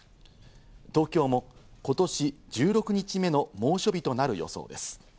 東京も今年１６日目の猛暑日となる予想です。